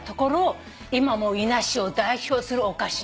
今もう伊那市を代表するお菓子に。